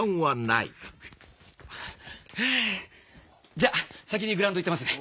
じゃあ先にグラウンド行ってますね！